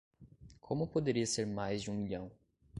Como poderia ser mais de um milhão?